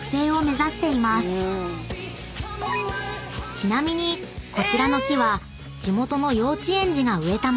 ［ちなみにこちらの木は地元の幼稚園児が植えた物］